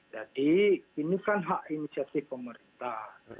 jadi ini kan hak inisiatif pemerintah